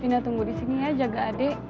pindah tunggu di sini ya jaga adik